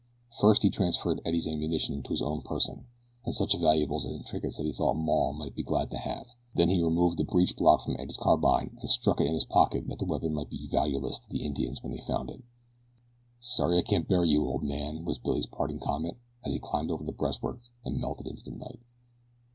First he transferred Eddie's ammunition to his own person, and such valuables and trinkets as he thought "maw" might be glad to have, then he removed the breechblock from Eddie's carbine and stuck it in his pocket that the weapon might be valueless to the Indians when they found it. "Sorry I can't bury you old man," was Billy's parting comment, as he climbed over the breastwork and melted into the night.